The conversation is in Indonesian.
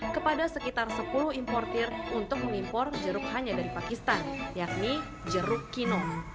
kepada sekitar sepuluh importir untuk mengimpor jeruk hanya dari pakistan yakni jeruk kinong